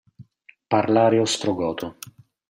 Parlare ostrogoto.